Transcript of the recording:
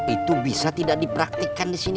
itu bisa tidak di praktikan disini